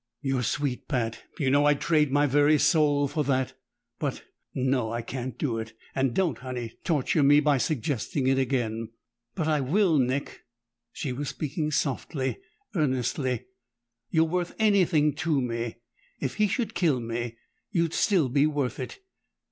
"You're sweet, Pat! You know I'd trade my very soul for that, but No. I can't do it! And don't Honey, torture me by suggesting it again." "But I will, Nick!" She was speaking softly, earnestly. "You're worth anything to me! If he should kill me, you'd still be worth it!"